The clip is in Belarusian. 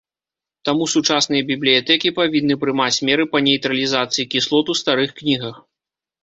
Таму сучасныя бібліятэкі павінны прымаць меры па нейтралізацыі кіслот у старых кнігах.